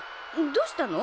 どうしたの？